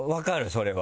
それは。